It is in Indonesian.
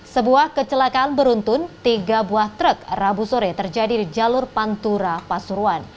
sebuah kecelakaan beruntun tiga buah truk rabu sore terjadi di jalur pantura pasuruan